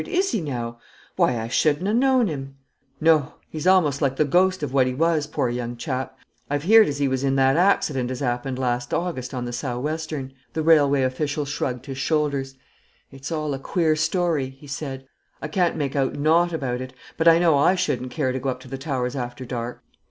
is he now? Why, I shouldn't ha' known him." "No; he's a'most like the ghost of what he was, poor young chap. I've heerd as he was in that accident as happened last August on the Sou' Western." The railway official shrugged his shoulders. "It's all a queer story," he said. "I can't make out naught about it; but I know I shouldn't care to go up to the Towers after dark."